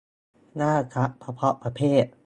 หน้าทับเฉพาะประเภท